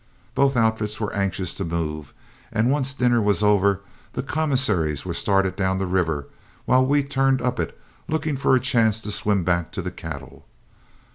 Both outfits were anxious to move, and once dinner was over, the commissaries were started down the river, while we turned up it, looking for a chance to swim back to the cattle.